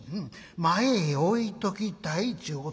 前へ置いときたいちゅうことがあんねんな。